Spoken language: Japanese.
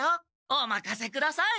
おまかせください！